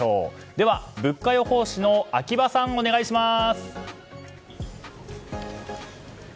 では物価予報士の秋葉さんお願いします。